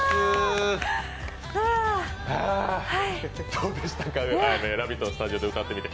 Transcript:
どうでしたか、「ラヴィット！」のスタジオで歌ってみて。